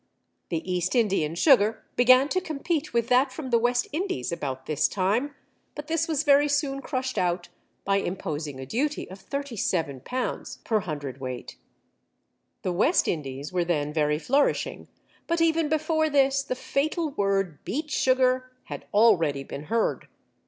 The East Indian sugar began to compete with that from the West Indies about this time, but this was very soon crushed out by imposing a duty of £37 per cwt. The West Indies were then very flourishing, but even before this the fatal word beet sugar had already been heard.